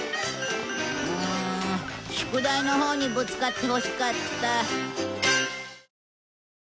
うん宿題のほうにぶつかってほしかった。